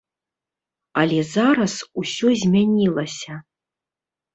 Але зараз усё змянілася.